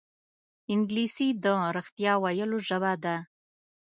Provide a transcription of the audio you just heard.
انګلیسي د رښتیا ویلو ژبه ده